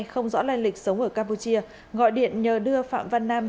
không rõ lai lịch sống ở campuchia gọi điện nhờ đưa phạm văn nam